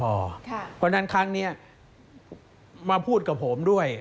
เพราะฉะนั้นครั้งนี้มาพูดกับผมด้วย